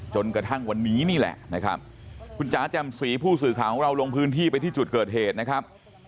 จนกระทั่งวันนี้นี่แหละนะครับคุณจ๋าแจ่มสีผู้สื่อข่าวของเราลงพื้นที่ไปที่จุดเกิดเหตุนะครับ